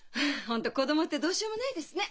本当子供ってどうしようもないですね！